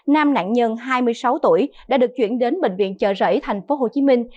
nam nạn nhân hai mươi sáu tuổi đã được chuyển đến bệnh viện chợ rẫy thành phố hồ chí minh